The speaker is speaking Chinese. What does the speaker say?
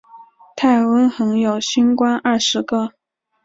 太微垣有星官二十个。